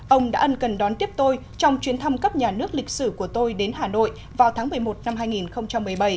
ông đã ân cần đón tiếp tôi trong chuyến thăm cấp nhà nước lịch sử của tôi đến hà nội vào tháng một mươi một năm hai nghìn một mươi bảy